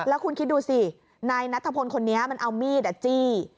แล้วคุณคิดดูสินายนัทพลคนนี้มันเอามีดจี้